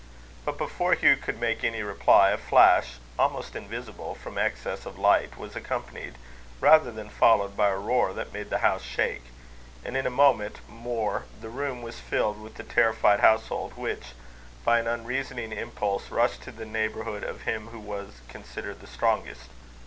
But before Hugh could make any reply, a flash, almost invisible from excess of light, was accompanied rather than followed by a roar that made the house shake; and in a moment more the room was filled with the terrified household, which, by an unreasoning impulse, rushed to the neighbourhood of him who was considered the strongest.